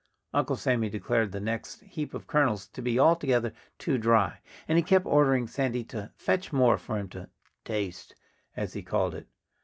Uncle Sammy declared the next heap of kernels to be altogether too dry. And he kept ordering Sandy to fetch more for him to "taste," as he called it.